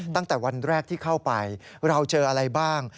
ตั้งแต่วันแรกที่เข้าไปเราเจออะไรบ้าง